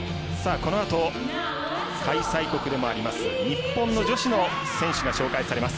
このあと、開催国でもあります日本の女子の選手が紹介されます。